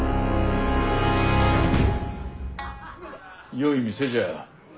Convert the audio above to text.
よい店じゃ。